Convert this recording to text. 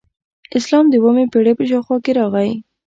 اسلام د اوومې پیړۍ په شاوخوا کې راغی